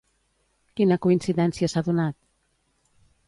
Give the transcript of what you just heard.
Quina coincidència s'ha donat?